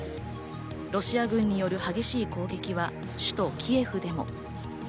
ロシア軍による激しい攻撃は首都キエフでも。